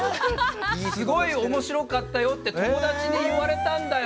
「すごい面白かったよって友達に言われたんだよ。